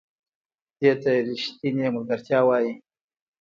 دې ته ریښتینې ملګرتیا وایي .